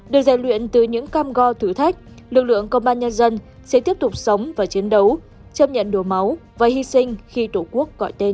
được rèn luyện từ những cam go thử thách lực lượng công an nhân dân sẽ tiếp tục sống và chiến đấu chấp nhận đồ máu và hy sinh khi tổ quốc gọi tên